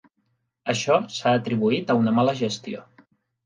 Això s'ha atribuït a una mala gestió.